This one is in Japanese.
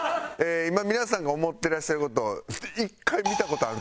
今皆さんが思ってらっしゃる事。